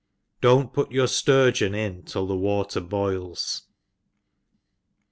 — Don't put your fturgeon in till the water boils.